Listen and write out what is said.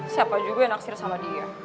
siapa juga yang nafsir sama dia